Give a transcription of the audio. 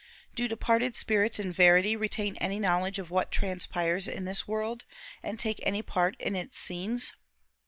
Do departed spirits in verity retain any knowledge of what transpires in this world, and take any part in its scenes?